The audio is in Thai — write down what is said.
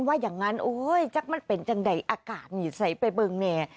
ว่าอย่างนั้นโอ๊ยจักรมันเป็นจังใดอากาศนี่ใส่ไปเบิ้งแน่